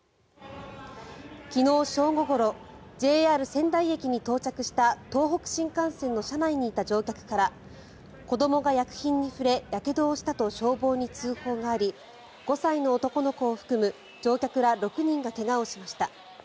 昨日正午ごろＪＲ仙台駅に到着した東北新幹線の車内にいた乗客から子どもが薬品に触れやけどをしたと消防に通報があり５歳の男の子を含む乗客ら６人が怪我をしました。